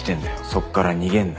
そっから逃げんな。